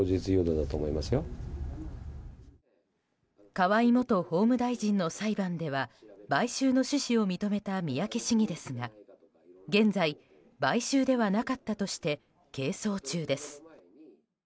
河井元法務大臣の裁判では買収の趣旨を認めた三宅市議ですが現在、買収ではなかったとして係争中です。